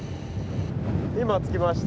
今着きました。